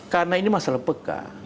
karena ini masalah peka